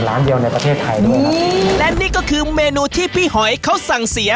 ร้านเดียวในประเทศไทยด้วยและนี่ก็คือเมนูที่พี่หอยเขาสั่งเสีย